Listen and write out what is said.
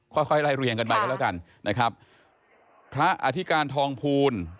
ค่อยค่อยไล่เรียงกันไปก็แล้วกันนะครับพระอธิการทองภูล